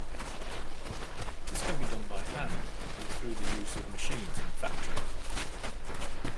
This can be done by hand or through the use of machines in factories.